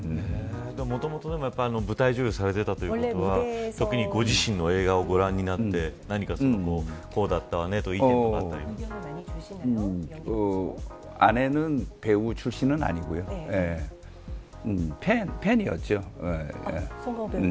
もともと舞台女優をされていたということは特に、ご自身の映画をご覧になって何かこうだったわねとか意見があったりするんですか。